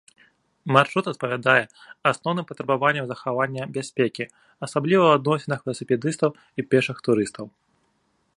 Маршрут адпавядае асноўным патрабаванням захавання бяспекі, асабліва ў адносінах веласіпедыстаў і пешых турыстаў.